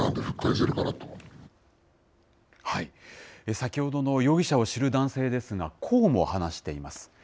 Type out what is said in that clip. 先ほどの容疑者を知る男性ですが、こうも話しています。